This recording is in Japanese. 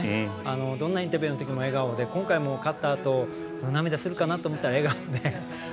どんなインタビューのときも笑顔で今回も、勝ったあと涙するかなと思ったら笑顔で。